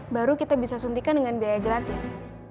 baru kita bisa suntikan dengan biaya gratis